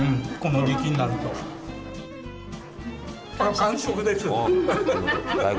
完食です。